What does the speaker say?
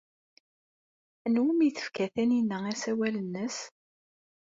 Anwa umi tefka Taninna asawal-nnes?